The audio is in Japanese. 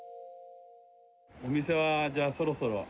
お店は、じゃあそろそろ？